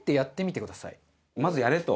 まずやれと。